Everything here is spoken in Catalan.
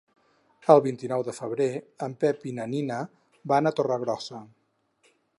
El vint-i-nou de febrer en Pep i na Nina van a Torregrossa.